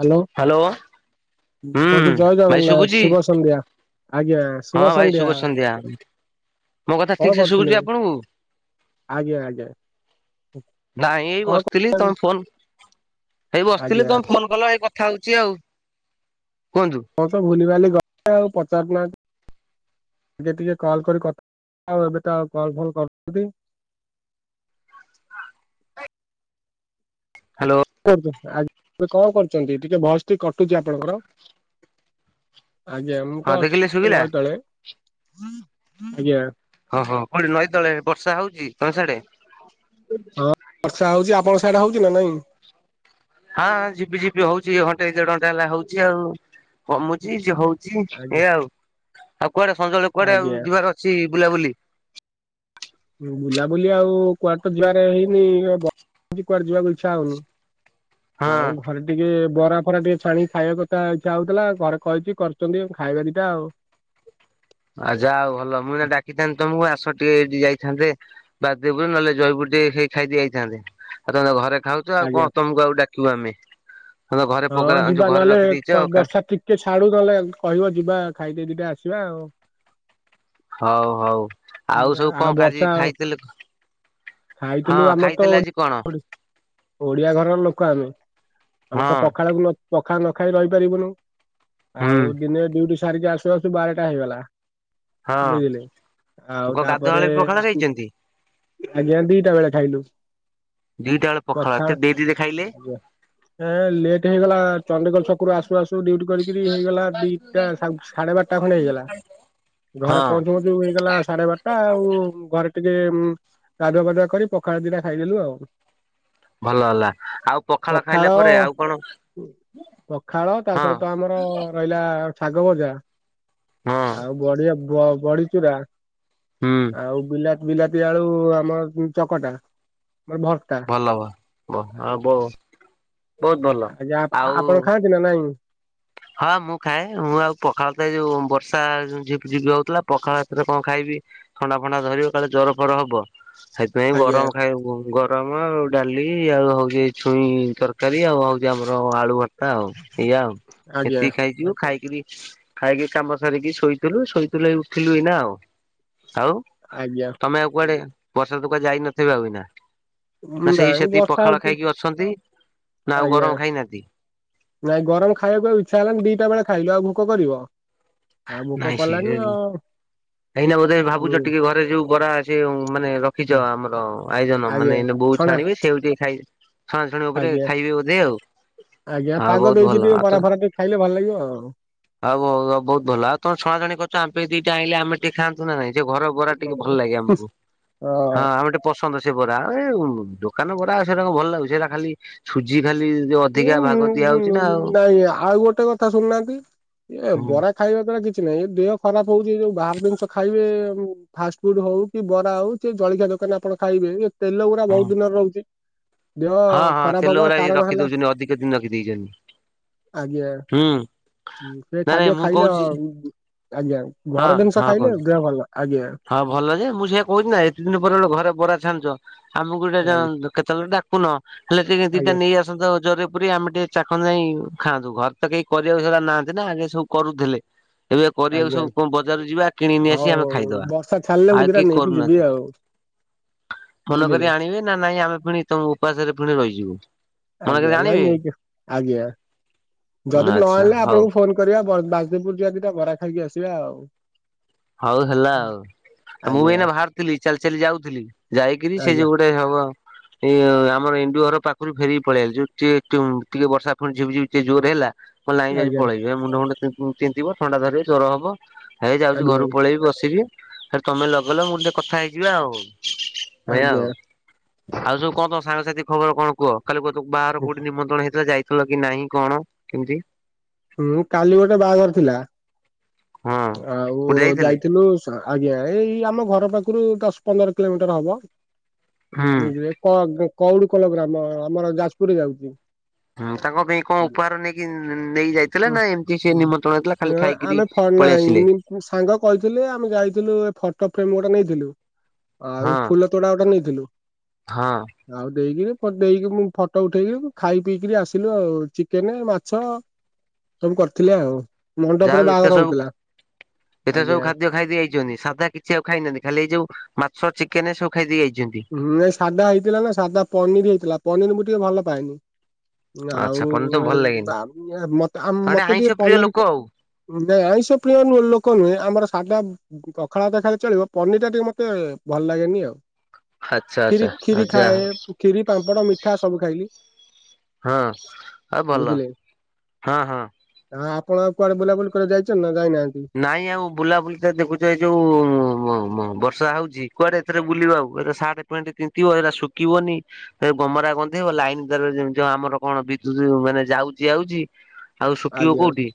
Hello hello ହୁଁ ବନ୍ଧୁ ଜୟ ଭାଇ ଜଗନ୍ନାଥ ଶୁଭୁଚି ଶୁଭ ସନ୍ଧ୍ୟା ହଁ ଭାଇ ଶୁଭ ସନ୍ଧ୍ୟା ମୋ କଥା କଣ ଠିକ ସେ କରୁଥିଲେ? ଶୁଖୁଛି ଆପଣଙ୍କୁ ଆଜ୍ଞା ଆଜ୍ଞା ନାଇଁ ଏଇ କଣ ବସିଥିଲି କରୁ ତମ ଫୋନ ଏଇ ବସିଥିଲି ଆଜ୍ଞା ତମେ ଫୋନ କଲ ଏଇ କଥା ହଉଚି ଆଉ କୁହନ୍ତୁ। ହଁ ତ ଭୁଲି ବାଲି ଗଲଣି ଆଉ ପଚାରୁ ନାହାନ୍ତି। ଟିକେ ଟିକେ କଲ୍ କରି କଥା ଆଉ ଏବେ ତ ଆଉ କଲ୍ ଫଲ୍ କରୁ ନାହାନ୍ତି। ହଁ [inaudible] ହାଲୋ। ଆରୁଚନ୍ତି ଆଜ୍ଞା ଏ କଣ କରୁଚନ୍ତି ଟିକେ ଭଏସ ଟି କଟୁଛି ଆପଣଙ୍କର। ଆଜ୍ଞା ମୁଁ ହଁ ତ ଦେଖିଲେ ଅଛି ଶୁଭିଲା ନଈ ତଳେ ଆଜ୍ଞା। ହଁ ହୋ କୋଠି ନଈ ତଳେ ବର୍ଷା ହଉଚି ତମ ସାଡେ? ହଁ ବର୍ଷା ହଉଚି ଆପଣଙ୍କ ସାଡେ ହଉଚି ନାଇଁ ହଁ ଝିପି ଝିପି ହଉଚି ଏ ଘଣ୍ଟେ ଦେଢ ଘଣ୍ଟା ହେଲା ହଉଚି ଆଉ କମୁଛି ଯଏ ହଉ ଚି ଆଜ୍ଞା ଏ ଆଉ ଆଉ କୁଆଡେ ସଞ୍ଜ ବେଳେ କୁଆଡେ ଆଉ ଆଜ୍ଞା ଯିବାର ଅଛି ବୁଲାବୁଲି? ବୁଲାବୁଲି ଆଉ କୁଆଡେ ତ ଯିବାରେ ହେଇନି [unintelligible] କୁଆଡେ ଯିବାକୁ ଇଛା ହଉନୁ। ହଁ ଆଉ ଘରେ ଟିକେ ବରା ଫରା ଟିକେ ଛାଣିକି ଖାଇବା କଥା ଇଛା ହଉଥିଲା ଘରେ କହିଚି କରୁଛନ୍ତି ଖାଇବା ଦିଟା ଆଉ। ଆଛା ଆଉ ଭଲ ମୁଁ ନା ଡାକିଥାନ୍ତି ତମକୁ ଆସ ଟିକେ ହେଇଟିକି ଯାଇଥାନ୍ତେ। ବାଦେବୁ ନହେଲେ ଜୈପୁର ଟିକେ ଖାଇ ଖାଇ ଦିଇଆଇଥାନ୍ତେ ଆଉ ତମେ ତ ଘରେ ଖାଉ ଚ ଆଉ ଆଜ୍ଞା କଣ ତମକୁ ଆଉ ଡାକିବୁ ଆମେ? ତମେ ତ ଘରେ ହଁ ପୋଗ୍ରା ଯୋଉ ଯିବା ଘରେ ନହେଲେ ରଖିଦେଇଛ କା ଆଉ ବର୍ଷା ଟିକେ ଛାଡୁ ନହେଲେ କହିବ ଯିବା ଖାଇଦେଇ ଦିଟା ଆସିବା ଆଉ। ହଉ ହଉ ଆଉ ସବୁ କଣ ଖାଜି ଖାଇଥିଲୁ? ଖାଇଥିଲୁ ଆମର ତ ଓ ଓଡି ଓଡ଼ିଆ ଘରର ଲୋକ ଆମେ। ଆମର ତ ହଁ ପଖାଳକୁ ଲୋ ପଖାଳ ନଖାଇକି ରହିପାରିବୁନୁ ହୁଁ ଆଉ ଦିନେ ଡ୍ୟୁଟି ସାରିକି ଆସୁ ଆସୁ ବାରଟା ହେଇଗଲା। ହଁ ବୁଝିଲେ। ଆଉ କଣ ତାପରେ ଗାଧୁଆବେଳେ ବି ପଖାଳ ଖାଇଛନ୍ତି? ଆଜ୍ଞା ଦିଟା ବେଳେ ଖାଇଲୁ। ଦିଟା ବେଳେ ପଖାଳ ଏତେ ଡେରିରେ ଖାଇଲେ। ଏଁ ଲେଟ୍ ହେଇଗଲା ଚଣ୍ଡିଖୋଲ ଛକରୁ ଆସୁ ଆସୁ ଡ୍ୟୁଟି କରିକିରି ହେଇଗଲା ଦିଟା ସା ସାଢେ ଟା ଖଣ୍ଡେ ହେଇଗଲା ଘରେ ହଁ ପହଞ୍ଚୁ ପହଞ୍ଚୁ ହେଇଗଲା ସାଢେ ସାଢେ ବାରଟା ଆଉ ଘରେ ଟିକେ ଉଁ ଗାଧୁଆ ପାଧୁଆ କରି, ପଖାଳ ଦିଟା ଖାଇଦେଲୁ ଆଉ। ଭଲ ହେଲା, ଆଉ ପଖାଳ ଖାଇଲା ପରେ ଆଉ କଣ ପଖାଳ, ତା ହଁ ସହିତ ଆମର ରହିଲା ଶାଗ ଭଜା ହଁ ଆଉ ବଡି ଆ ବ ବଡିଚୁରା ହୁଁ ଆଉ ବିଲାତି, ବିଲାତି ଆଳୁ ଆମର ଚକଟା, ମାନେ ଭର୍ତା। ଭଲବା, ବ ଆ ବ ବହୁତ ଭଲ ଆଜ୍ଞା ଆ ଆଉ ଆପଣ ଖାଆନ୍ତି ନା ନାଇଁ? ହଁ ମୁଁ ଖାଏ, ମୁଁ ଆଉ ପଖାଳ ତ ଏଇ ଯୋଉ ବର୍ଷା ଝିପଝିପି ହଉଥିଲା, ପଖାଳ ଏତିରେ କଣ ଖାଇବି? ଥଣ୍ଡା ଫଣ୍ଡା ଧରିବ କାଳେ ଜର ଫର ହବ, ସେଥିପାଇଁ ଆଜ୍ଞା ଗରମ ଖାଇବୁ। ଗରମ ଆଉ ଡାଲି, ଆଉ ହଉଛି ଛୁଇଁ ତରକାରୀ, ଆଉ ହଉଛି ଆମର ଆଳୁ ଭର୍ତ୍ତା। ଭର୍ତ୍ତା ଆଉ, ଏଇଆ ଆଉ, ଆଜ୍ଞା ଏତିକି ଖାଇଯିବୁ, ଖାଇକିରି ଖାଇକି, କାମ ସରିକି ଶୋଇଥିଲୁ, ଶୋଇଥିଲୁ ଉଠିଲୁ ଏଇନା ଆଉ, ଆଉ ଆଜ୍ଞା। ତମେ ଆଉ କୁଆଡେ, ବର୍ଷା ତ କୁଆଡେ ଯାଇ ନଥିବେ ଆଉ ଏଇନା, ନା ସେଇ ନାଇଁ ସେତିକି ବର୍ଷା ପଖାଳ ହଉଛି ଖାଇକି ଅ ଛନ୍ତି, ନା ଆଉ ଆଜ୍ଞା। ଗରମ ଖାଇନାହାନ୍ତି? ନାଇଁ ଗରମ ଖାଇବାକୁ ଇଛା ହେଲାନି, ଦିଟା ବେଳେ ଖାଇଲୁ, ଆଉ ଭୋକ କରିବ? ଆଉ ଭୋକ ନାଇଁ ସେ କଲାନି ଆଉ ଏଇନା ବୋଧେ ହୁଁ ଭାବୁଚ ଟିକେ ଘରେ ଯୋଉ ବରା ସେ ମାନେ ହଁ ରଖିଛ ଆମର ଆୟୋଜନ ଆଜ୍ଞା ମାନେ, ଏଇ ବୋଉ ଛଣା ଛାଣିବେ ସେ ଟିକେ ଖାଇ, ଛଣା ଛଣି ଉପରେ ଆଜ୍ଞା ଖାଇବେ ବୋଧେ ଆଉ ଆଜ୍ଞା ଆଉ ପାଗ ବହୁତ ଦେଇଛି ଭଲ ଟିକେ, ଆଉ ତ ବରା ଫରା ଟିକେ ଖାଇଲେ ଭଲ ଲାଗିବ ଆଉ। ଆଉ ହଉ ବହୁତ ଭଲ, ଆଉ ତମେ ଛଣା ଛଣି କରୁଚ, ଆମ ପାଇଁ ଦିଟା ଆଇଁଲେ, ଆମେ ଟିକେ ଖାଆନ୍ତୁ ନା ନାଇଁ, ସେ ଘର ବରା ଟିକେ ଭଲ ଲାଗେ ଆମକୁ, ହଁ ଆମେ ଟେ ପସନ୍ଦ ସେ ବରା, ଏ ଦୋକାନ ବରା ଆଉ ସେରା କଣ ଭଲ ଲାଗୁଚି, ସେରା ଖାଲି ସୁଜି ଖାଲି ଯୋଉ ଅଧିକା ଭାଗ ଦିଆ ହଉଛି ନା ଆଉ [unintelligible] ନାଇଁ ଆଉ ଗୋଟେ କଥା ଶୁଣନାହାନ୍ତି, ଏ ହୁଁ ବରା ଖାଇବା ଦ୍ଵାରା କିଛି ନାହିଁ, ଏ ଦେହ ଖରାପ ହଉଚି, ଏ ଯୋଉ ବାହାର ଜିନିଷ ଖାଇବେ ଫାଷ୍ଟ ଫୁଡ ହଉ, କି ବରା ହଉ, ସେ ଜଳଖିଆ ଦୋକାନ ଆପଣ ଖାଇବେ ତେଲ ଗୁରା ହଁ ବହୁତ ଦିନରେ ରହୁଚି, ଦେହ ଖରାପ ହବାର କାରଣ ହେଲା କେତେ ଦିନି ରଖି ଦେଇଚନ୍ତି? ଆଜ୍ଞା, ସେ ନାଇଁ ନାଇଁ ଖାଦ୍ୟ ମୁଁ ଖାଇଲେ କହୁଛି ଅ, ଆଜ୍ଞା। ହଁ ଘର ଜିନିଷ ହଁ କୁହନ୍ତୁ। ଖାଇଲେ ଦେହ ଭଲ, ଆଜ୍ଞା। ହଁ ଭଲ ଯେ, ମୁଁ ସେଇୟା କହୁଛି ନା, ଏତେ ଦିନି ପରେ ଗୋଟେ ଘରେ ବରା ଛାଣୁଚ, ଆମକୁ ଗୋଟେ ଆଜ୍ଞା କେତେବେଳେ ଡାକୁୁନ, ହେଲେ ଟିକେ ଦିଟା ଆଜ୍ଞା ନେଇଆସ ନେଇ ଆସନ୍ତ ଜରିରେ ପୁରେଇକି, ଆମେ ଟିକେ ଚାକଣ ଯାଇ ଖାଆନ୍ତୁ, ଘରେ ତ କେହି କରିବାକୁ ସେଇଭଳିଆ ନାହାନ୍ତି ନା, ଯିଏ ସବୁ କରୁଥିଲେ। ଏବେ କରିବାକୁ ଆଜ୍ଞା ସବୁ, ବଜାର ଯିବା କିଣକି ନେଇଆସିବା, ଆମେ ହଉ ଖାଇଦବା। ବର୍ଷା ଛାଡିଲେ ମୁଁ ଆଉ ଦିଟା କିଏ ନେଇକି ଯିବି କରୁନାହାନ୍ତି, ଆଉ ମନେ ବୁଝିଲେ କରି ଆଣିବେ ନା ନାଇଁ, ଆମେ ପୁଣି ତମ ଉପାସରେ ପୁଣି ରହିଯିବୁ। ମନେ କରି ଆଜ୍ଞା, ନା ଆଣିବେ ନେଇକି, ଆଜ୍ଞା, ଯଦି ନ ଆଚ୍ଛା ଆଣିଲେ ହଉ ଆପଣଙ୍କୁ ଫୋନ କ କରିବା, ବ ବାଯେପୁର ଯିବା ଦିଟା ବରା ଖାଇକି ଆସିବା ଆଉ। ହଉ ହେଲା ଆଉ, ମୁଁ ବି ଆଜ୍ଞା ଏଇନା ବାହାରିଥିଲି। ଚାଲି ଚାଲି ଯାଉଥିଲି, ଯାଇକିରି ସେ ଆଜ୍ଞା ଯୋଉ ଗୋଟେ ସେ ହଉ ଆଉ। ଏଇ ଆମର ଏଣ୍ଡୁଅ ଘର ପାକୁରୁ ଫେରିକି ପଳେଇ ଆଇଲି। ଯୋଉ ଟିକେ ଟିକେ ଟିକେ ବର୍ଷା ଫୁଣି ଝିପିଝପି ଟିକେ ଜୋରେ ହେଲା ମୁଁ କହିଲି ନାଇ ଯାଉଛି ଆଜ୍ଞା ପଳେଇବି, ମୁଣ୍ଡ ଫୁଣ୍ଡ ତିନ୍ତିବ, ଥଣ୍ଡା ଧରିବ, ଜର ହବ, ହେଇ ଯାଉଚି ଆଜ୍ଞା ଘରକୁ ପଳେଇବି ବସିବି, ହେଟୁ ତମେ ଲଗେଇଲ, ମୁଁ କ ଟିକେ କଥା ହେଇଯିବା ଆଉ, ଭଇଆ ଆଜ୍ଞା ଆଉ। ଆଉ ସବୁ କଣ ତମ ସାଙ୍ଗସାଥି ଖବର କଣ କୁହ? କାଲି କ ବାହାଘର କୋଉଠି ନିମନ୍ତ୍ରଣ ହେଇଥିଲା ଯାଇଥି ଥିଲ କି ନାହିଁ, କଣ କେମିତି? ହୁଁ କାଲି ଗୋଟେ ବାହାଘର ଥିଲା ହଁ ଆଉ କୋଉଠି ଯାଇଥିଲେ ଯାଇଥିଲୁ। ଆଜ୍ଞା ଏଇ ଆମ ଘର ପାଖରୁ ଦଶ ପନ୍ଦର କିଲୋମିଟର ହବ ହୁଁ। ବୁଝିଲେ? କ କଉଡ କଲ ଗ୍ରାମ ଆମର ଯାଜପୁରରେ ଯାଉଛି। ହୁଁ ତାଙ୍କ ପାଇଁ କଣ ଉପହାର ନେଇକି ନେଇ ଯାଇ ଥିଲା ନା ଏମିତି ସେ ହୁଁ। ନିମନ୍ତ୍ରଣଇଥିଲା ଖାଲି ନା ଖାଇକିରି ଆମେ ଫ ପଳେଇ ନାଇଁ ଆସିଲେ? ଏମି ସାଙ୍ଗ କହିଥିଲେ ଆମେ ଯାଇଥିଲୁ ଏ ଫଟୋ ଫ୍ରେମ ଗୋଟେ ନେଇଥିଲୁ ହଁ ଆଉ ଫୁଲ ତୋଡ଼ା ଗୋଟେ ନେଇଥିଲୁ। ହଁ। ଆଉ ଦେଇକିରି ଦେଇକି ମୁଁ ଫଟୋ ଉଠେଇକି ଖାଇ ପିଇକରି ଆସିଲୁ ଆଉ ଚିକେନ ମାଛ ସବୁ କରିଥିଲେ ଆଉ ଯାହା ମଣ୍ଡପରେ ହଉ ଏତେ ବାହାଘର ହଉଥିଲା ଆଜ୍ଞା। ଖାଇଦେଇଯାଇଛନ୍ତି ସାଧା କିଛି ଆଉ ଖାଇନାହାନ୍ତି ଖାଲି ଯୋଉ ମାଛ ଚିକେନ ସବୁ ଖାଇଦେଇ ଯାଇଛନ୍ତି? ହୁଁ ଏଇ ସାଧା ହେଇଥିଲା ନା ସାଧା ପନିର ହେଇଥିଲା ପନିର ମୁଁ ଟିକେ ଭଲ ପାଏନି। ଆଚ୍ଛା ଆଉ ପନିର ତମକୁ ଭଲ ଲାଗେନି ବା [inaudible] ମତେ ତମେ ମତେ ଆଇଁଷ ଟିକେ ପ୍ରିୟ ପନିର ଲୋକ ଆଉ ନାଇଁ ଆଇଁଷ ପ୍ରିୟ ଲୋକ ନୁହେଁ ଆମର ସାଧା ପଖାଳ ଭାତ ଖାଇଲେ ଚଳିବ, ପନିରିଟା ଟିକେ ମୋତେ ଭଲ ଲାଗେନି ଆଉ ଆଚ୍ଛା ଖିରି ଆଚ୍ଛା ଖିରି ଆଉ ଖାଏ, ଯାହା ଖିରି, ପାମ୍ପଡ, ମିଠା, ସବୁ ଖାଇଲି। ହଁ, ଆଉ ଭଲ ହଁ, ହଁ। ହଁ, ଆପଣ ଆଉ କୁଆଡେ ବୁଲାବୁଲି କରି ଯାଇଛନ୍ତି। ନା ଯାଇନାହାନ୍ତି? ନାଇଁ ଆଉ ବୁଲାବୁଲି ତ ଦେଖୁଛ ଏଇ ଯୋଉ ଉଁ, ଉଁ। ମୁଁ, ମୁଁ, ବର୍ଷା ହଉଛି କୁଆଡେ ବୁଲିବାଉ ଆଉ ଏଇନା ସାର୍ଟ, ଫ୍ୟାଣ୍ଟ ତିନ୍ତିବ ଏଇଟା ଶୁଖିବନି। ଗମରା ଗନ୍ଧେଇବ, ଲାଇନ୍ ତାର ରେ ଜାଣିଛ ଆମର କଣ ବିଦ୍ୟୁତ ମାନେ ଯାଉଛି, ଆଉଛି। ଆଉ ଶୁଖିବ ଆଜ୍ଞା କୋଉଠି,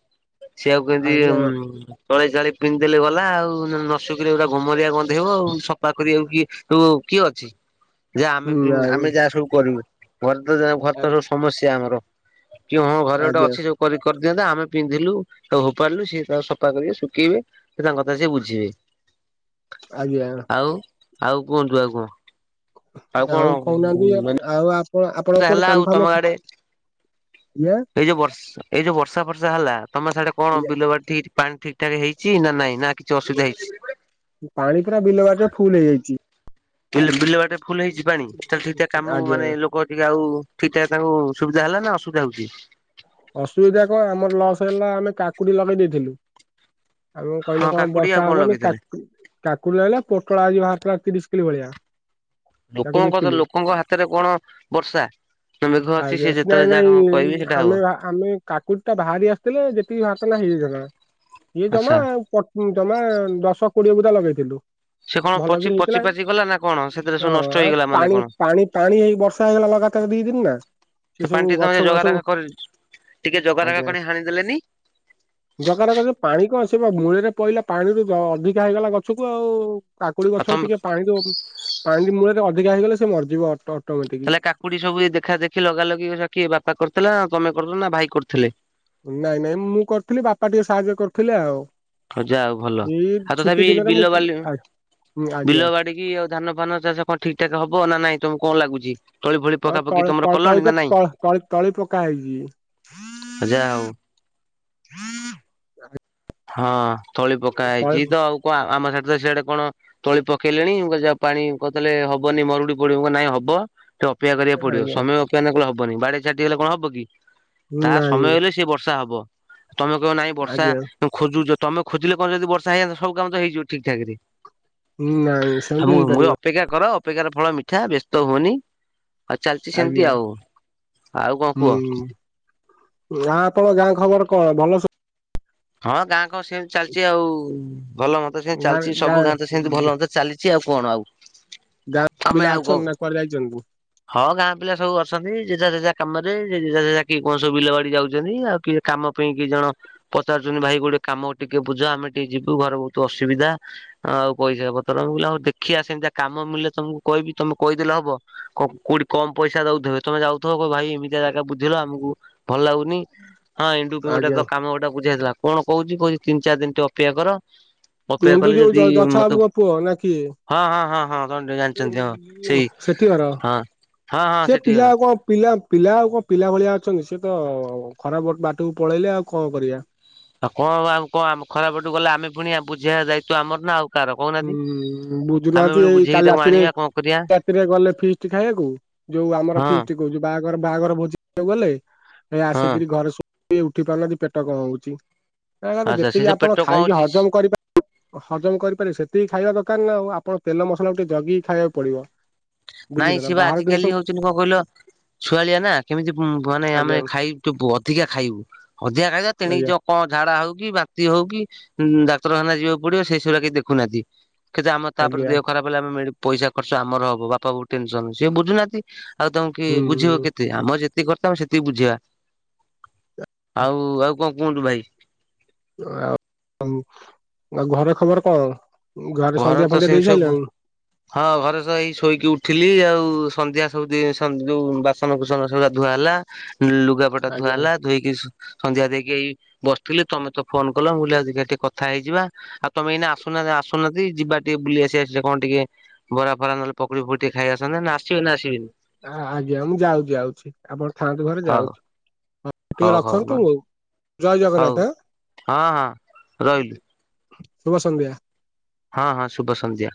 ସେ ଆଉ କେମିତି ଆଜ୍ଞା ଉଁ, ଉଁ। ଗଳେଇ ଗାଲେଇ ପିନ୍ଧିଦେଲେ ଗଲା ଆଉ, ନସୁକିଲେ ଏଗୁରା ଗମରୀୟ ଗନ୍ଧେଇବ ଆଉ, ସଫା କରିବାକୁ କିଏ। ତୁ କିଏ ଅଛି। ଯ ଆମେ ବି ନାଇଁ ଆମେ ଯାହା ସବୁ କରିବୁ, ଘରେ ତ ଯା ଘାରେ ତ ଆ- ଯୋଉ ସମସ୍ୟା ଆମର। କି ହଁ ମୋ ଘରେ ଗୋଟେ ଆଜ୍ଞା ଅଛି, ସବୁ କରି କରିଦିଅନ୍ତା ଆମେ ପିନ୍ଧିଲୁ ତାକୁ ଫୋପାଡିଲୁ, ସିଏ ତା ସଫ ସଫା କରିବେ ଶୁଖେଇବେ ତାଙ୍କ କଥା ସିଏ ବୁଝିବେ। ଆଜ୍ଞା। ଆଉ ଆଉ କୁହାନ୍ତୁ ଆଉ କଣ? ଆଉ କହୁନାହାନ୍ତି, ମାନେ ଆଉ ଆପ୍ କଣ ଆପଣ ଆଉ କୁଆଡେ ହେଲା କାମ, ଫାମ ତମ ଆଡେ ଆଜ୍ଞା। ଏଇ ଯୋଉ ବସ୍। ଏଇ ଯୋଉ ବର୍ଷା, ଫର୍ଷା ହେଲା ତମ ସାଡେ କଣ ଆଜ୍ଞା ବିଲ, ବାଡ଼ି ଠି ପାଣି ଠିକ୍, ଠାକ ହେଇଛି। ନ ନାଇଁ ନା କିଛି ଅସୁବିଧା ହେଇଛି? ପାଣି ପୁରା ବିଲ ବାରୀ ରେ ଫୁଲ୍ ହେଇଯାଇଛି। ବିଲ୍, ବିଲ, ବାଡି ରେ ଫୁଲ୍ ହେଇଛି ପାଣି ଚାଲିଥିବା କମ କୁ ଆଜ୍ଞା ମାନେ ଲୋକ ଟିକେ ଆଉ। ଠିକ, ଟାକ୍ ତାଙ୍କୁ ସୁବିଧା ହେଲା, ନା ଅସୁବିଧା ହଉଛି? ଅସୁବିଧା କଣ ଆମର ଲସ୍ ହେଲା ଆମେ କାକୁଡି ଲଗେଇ ଦେଇଥିଲୁ। ଆଉ କଣ ହଁ କହିଲେ କଣ କାକୁଡି ଆଉ ବର୍ଷା ହବନି ଲଗେଇଥିଲେ କାକ୍। କାକୁଡି ଲାଗିଲା, ପୋଟଳ ଆଜିି ବାହାରିଥିଲା ତିରିଶ କିଲେ ଭଳିଆ। ତାକୁ ଲୋକଙ୍କ କଥାରେ ବିକିଲୁ ଲୋକଙ୍କ ହାତରେ କଣ ବର୍ଷା। ନ, ମେଘ ଅଛି ଆଜ୍ଞା ସେଏ ନାଇଁ ଯେତେବେଳେ ନାଇଁ ଯାହା କଣ କହିବେ ସେଟା ଆମେ ହବ। ଭା- ଆମେ କାକୁଡି ଟା ବାହାରି ଆସିଥିଲେ ଯେତିକି ବାହାରିଥାନ୍ତା ହେଇଯାଇଥାନ୍ତା, ଇଏ ଜମା ଆଚ୍ଛା। ପଟ୍। ହଁ, ଯମା ଦଶ କୋଡିଏ ବୁଟା ଲଗେଇଥିଲୁ। ସେ କଣ ପଚି ଭଲକିରି ପଚି ହେଇଥିଲା ପାଚି ଗଲା ନା କଣ ସେଥିରେ ତାର ସବୁ ନଷ୍ଟ ଆଉ ହେଇଗଲା ମାନେ ପାଣି କଣ? ପାଣି ପାଣି ହେଇ ବର୍ଷା ହେଇଗଲା ଲଗାତ। ତା ଦି, ଦି ଦିନି ନାଁ ସେ ପାଣି ଟିକେ ତମେ ଜଗାରଖା କରିଚୁ ଟିକେ ଜଗାରଖା କରି ହାଣିଦେଲେନି। ଜଗାର ଏକାଥରେ ପାଣି କଣ ସେ ବା ମୂଳରେ ପଇଲା ପାଣିରୁ ଅଧିକା ହେଇଗଲା ଗଛକୁ ଆଉ। କାକୁଡି ଆଉ ଗଛ ତମେ ଟିକେ ପାଣି ଦବ ପାଣି ମୂଳରେ ଅଧିକା ହେଇଗଲେ ସେ ମରିଯିବ ଅ ତାହେଲେ କାକୁଡି ସବୁ ଦେଖା ଦେଖି ଲଗା ଲଗି ବାପା ହେରା କିଏ କରିଥିଲା ନା ତମେ କରୁଥିଲ ନା ଭାଇ କରୁଥିଲେ? ନାଇଁ ନାଇଁ ମୁଁ କରିଥିଲି ବାପା ଟିକେ ସାହାଯ୍ୟ କରୁଥିଲେ ଆଉ। ଯାହା ହଉ ଭଲ ଏଇ ଆଉ ଛୁଟି ତଥାପି ଦିନରେ ମୁଁ ବିଲବାଲି ଆ- ଆଜ୍ଞା। ବିଲବାଡ଼ କି ଆଉ ଧାନ ଫାନ ଚାଷ କଣ ଠିକ ଠାକ ହବ ନା ନାଇଁ ତମକୁ କଣ ଲାଗୁଛି? ତଳି ଫଳି ହଁ ପକାପକି ତମର ତ-ତ-ତଳେ କଲଣି ନା ତ- ନାଇଁ ତଳି ତ-ତ-ତଳି ପକା ହେଇଛି। ଯାହା ହେଉ। ହଁ ତଳି ପକା ତଳି ହେଇଛି ତ ଆଉ କଣ ଆମ ସାଥେ ତ ସିଆଡେ କଣ ତଳି ପକେଇଲେଣି ମୁଁ କହିଲି ଯା ପାଣି କରଦେଲେ ହବନି ମରୁଡି ପଡିବ ନାଇଁ ହବ। ଟିକେ ଅପେକ୍ଷା କରିବାକୁ ପଡିବ ଆଜ୍ଞା। ସମୟ ଅପେକ୍ଷା ନ କଲେ ହବନି ବାଡେଇ ଛାଟି ହେଲେ କଣ ହବ କି। ତା ନାଇଁ ସମୟ ହେଲେ ସେ ବର୍ଷା ହବ। ତମେ କହିବ ନାଇଁ ବର୍ଷା ଆଜ୍ଞା ହୁଁ ଖୋଜୁଛ ତମ ଖୋଜେଲେ କଣ ଯଦି ବର୍ଷା ହେଇଯାଆନ୍ତା। ସବୁ କାମ ତ ହେଇଯିବ ଠିକ ଠାକ ରେ। ହୁଁ ନାଇଁ ଆଉ ମୁଁ ସେମିତି ମୁଁ ହେଇପାରିବ। ଅପେକ୍ଷା କର ଅପେକ୍ଷାର ଫଳ ମିଠା ବ୍ୟସ୍ତ ହୁଅନି। ଆ ଚାଲିଛି ସେମିତି ଆଜ୍ଞା ଆଉ ଆଉ କଣ କୁହ? ଆଁ ତମ ଗାଁ ଖବର କଣ ଭଲ ସବୁ? ହଁ ଗାଁ କଣ ସେମିତି ଚାଲିଛି ଆଉ ଭଲ ମନ୍ଦ ସେମତି ଚାଲିଛି ସବୁ ଗାଁ ତ ସେମିତି ଭଲ ମନ୍ଦ ଚାଲିଛି ଆଉ କଣ ଆଉ ଗାଁ ପିଲା ଆମେ ଆଉ କଁ ଅଛନ୍ତି ନା କୁଆଡେ ଯାଇଛନ୍ତି? ହଁ ଗାଁ ପିଲା ସବୁ ଅଛନ୍ତି। ଯେଝା ଯେଝା କାମରେ ଯେଝା ଯେଝା କିଏ କଣ ସବୁ ବିଲ ବାଡି ଯାଉଛନ୍ତି ଆଉ କିଏ କାମ ପାଇଁ କିଛି ଜଣ ପଚାରୁଛନ୍ତି ଭାଇ ଗୋଟେ କାମ ଟିକେ ବୁଝ ଆମେ ଟିକେ ଯିବୁ ଘର ବହୁତ ଅସୁବିଧା। ଆଉ ପଇସା ପତ୍ର ମୁଁ କହିଲି ହଉ ଦେଖିଆ ସେମିତିଆ କାମ ମିଳିଲେ ତମକୁ କଇବି ତମେ କଇଦେଲେ ହବ। କ କୋଉଠି କମ ପଇସା ଦଉଚ ତମେ ଯାଉଥିବ ଭାଇ ଏମିତିଆ ଜାଗା ବୁଝିଲ ଆମକୁ ଭଲ ଲାଗୁନି। ହଁ ଏଣ୍ଡୁ ଗୋଟେ ଆଜ୍ଞା ତ କାମ ଗୋଟେ ବୁଝି ଆସିଥିଲା କଣ କହୁଛି କହୁଛି ତିିନ ଚାରି ଦିନିଟିକେ ଅପେକ୍ଷା କର। ଅପେକ୍ଷା କଲେ ଏଣ୍ଡୁକି ହଉଚି ଯଦି ଯ-ଯଛା ମତେ ବାବୁଙ୍କ ପୁଅ ନା କିଏ? ହଁ ହଁ ହଁ ହଁ ଜାଣିଛନ୍ତି ହଁ ସେଇ ସେଠି ଘର ହଁ ହଁ ହଁ ସେ ସେଠି ପିଲା ଘର। ଆଉ କଣ ପିଲା ପିଲା ଆଉ କଣ ପିଲା ଭଳିଆ ଅଛନ୍ତି ସେ ତ ଖରାପ ବାଟକୁ ପଳେଇଲେ ଆଉ କଣ କରିବା। ଆଉ କଣ ଆଉ କଣ ଆମ ଖରାପ ବାଟକୁ ଗଲେ ଆମେ ପୁଣିଆ ବୁଝେଇବା ଦାୟିତ୍ଵ ଆମର ନା ଆଉ। କାହାର କହୁନାହାନ୍ତି। ହୁଁ ଆମେ ବୁଝୁନାହାନ୍ତି ପୁଣି ଏଇ ବୁଝେଇକି କାଲି ତାକୁ ରାତିରେ ଆଣିବା କଣ କରିବା ରାତିରେ ଗଲେ ଫିଷ୍ଟ ଖାଇବାକୁ ଯୋଉ ଆମର ହଁ ଫିଷ୍ଟ ହଉଚି ବାହାଘର ବାହାଘର ଭୋଜି ଖାଇବାକୁ ଗଲେ ହେ ହଁ ଆସିକିରି ଘରେ ସୋ ଇଏ ଉଠି ପାରୁନାହାନ୍ତି ପେଟ କଣ ହଉଛି, କହିବା କଥା ଆଚ୍ଛା ସେ ଯେତିକି ଯୋଉ ଆପଣ ପେଟ କଣ ଖାଇକି ହଉଛି ହଜମ କରିପାର ହଜମ କରିପାରିବେ, ସେତିକି ଖାଇବା ଦରକାର ନା ଆଉ। ଆପଣ ତେଲ ମସଲାକୁ ଟିକେ ଜଗିକି ଖାଇବାକୁ ପଡିବ। ନାଇଁ ବୁଝିଲେ ନା ସେ ବା ବାହାର ଜିନିଷ ଆଜିକାଲି ହଉ କିନ୍ତୁ କଣ କହିଲ ଛୁଆଳିଆ ନା କେମିତି ମାନେ ଆଜ୍ଞା ଆମେ ଖାଇଦବୁ ଅଧିକା ଖାଇବୁ। ଅଧିକା ଖାଇଦବା ତେଣିକି ଆଜ୍ଞା ଯ କଣ ଝାଡା ହଉ କି ବାନ୍ତି ହଉ କିି ଡାକ୍ତରଖାନା ଯିବାକୁ ପଡିବ ସେ ସେଗୁଡା କିଛି ଦେଖୁନାହାନ୍ତି। କିନ୍ତୁ ଆମର ତାପରେ ଆଜ୍ଞା ଦେହ ଖରାପ ହେଲେ ଆମେ ପଇସା ଖର୍ଚ୍ଚ ଆମର ହବ ବାପା ବୋଉ ଟେନସନ ସିଏ ବୁଝୁନାହାନ୍ତି। ଆଉ ତମ କି ହୁଁ ବୁଝିବ ହୁଁ କେତେ ଆମର ଯେତିକି କର୍ତ୍ତବ୍ୟ ଆମେ ସେତିକି ବୁଝେଇବା। ଆଉ ଆଉ କଣ କୁହନ୍ତୁ ଭାଇ? ଆଉ ଆଉ ଘରେ ଖବର କଣ ଘରେ ଘର ସନ୍ଧ୍ୟା ତ ଫନ୍ଧ୍ୟା ସେମିତି ଦେଇ ସବୁ ସାଇଲଣି? ହଁ ଘରେ ସହ ଏଇ ଶୋଇକି ଉଠିଲି ଆଉ ସନ୍ଧ୍ୟା ସବୁ ଯୋଉ ବାସନ କୁସନ ସବୁଯାକ ଧୁଆ ହେଲା। ଉଁ ଲୁଗାପଟା ଧୁଆ ଆଜ୍ଞା ହେଲା। ଧୋଇକି ସୁ ସନ୍ଧ୍ୟା ଦେଇକି ଏଇ ବସିଥିଲି ତମେ ତ ଫୋନ କଲ ମୁଁ କହିଲି ଆ ଦେଖିବା ଟିକେ କଥା ହେଇଯିବା। ଆଉ ତମେ ଏଇନା ଆସୁନାହାନ୍ତି ଆସୁନାହାନ୍ତି ଯିବା ଟିକେ ବୁଲି ଆସି ଆସିଲେ କଣ ଟିକେ। ବରା ଫରା ନହଲେ ପକୁଡି ଫକୁଡି ଟିକେ ଖାଇଆସନ୍ତେ ନା ଆସିବ ନା ଆସିବନି? ଆ ଆଜ୍ଞା ମୁଁ ଯାଉଛି ଯାଉଛି ଆପଣ ଥାଆନ୍ତୁ ଘରେ ହଉ ଯାଉଛି। ଟିକେ ହଉ ହଉ ରଖନ୍ତୁ ଜୟ ହଉ ଜଗନ୍ନାଥ। ହଁ ହଁ ରହିଲୁ ଶୁଭ ସନ୍ଧ୍ୟା। ହଁ ହଁ ଶୁଭ ସନ୍ଧ୍ୟା।